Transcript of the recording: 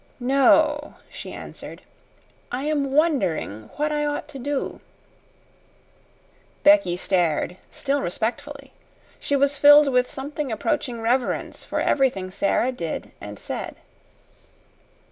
"No," she answered. "I am wondering what I ought to do." Becky stared still respectfully. She was filled with something approaching reverence for everything Sara did and said.